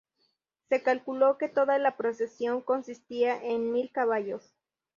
Se calculó que toda la procesión consistía en mil caballos.